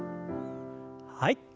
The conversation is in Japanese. はい。